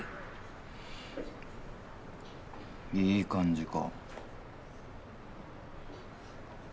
いい感じか。